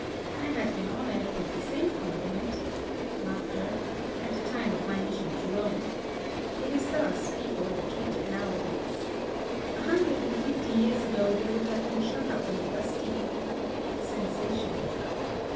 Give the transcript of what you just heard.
I had been honoured with the same compli ment — — at the time of my mis sion to Eoma It is thus people are treated nowadays A hundred and fifty years ago they would have been shut up in the Bastile. (Sensation.)